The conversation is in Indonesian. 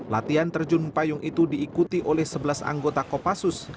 latihan terjun payung itu diikuti oleh sebelas anggota kopassus